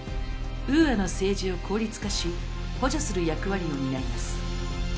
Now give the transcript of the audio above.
ウーアの政治を効率化し補助する役割を担います。